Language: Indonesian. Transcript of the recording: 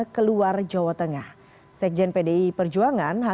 ketua dpp pdi perjuangan